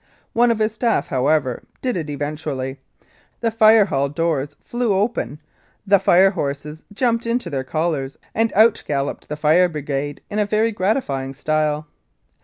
One of his staff, however, did it eventually : the Fire Hall doors flew open, the fire horses jumped into their collars and out galloped the Fire Brigade in a very gratifying style.